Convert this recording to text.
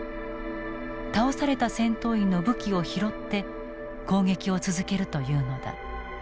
倒された戦闘員の武器を拾って攻撃を続けるというのだ。